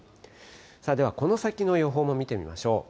さあ、ではこの先の予報も見てみましょう。